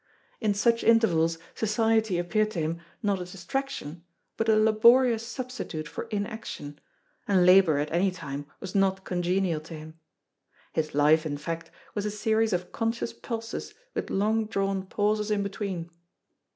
In such intervals society appeared to him not a distraction, but a laborious substitute for inaction, and labour at any time was not congenial to him. His life, in fact, was a series of conscious pulses with long drawn pauses in between.